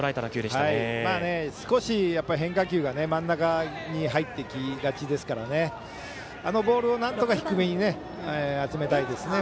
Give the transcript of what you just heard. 少し変化球が真ん中に入ってきがちですからあのボールをなんとか低めに集めたいですね